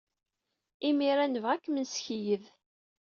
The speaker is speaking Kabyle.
Imir-a, nebɣa ad kem-nessekyed.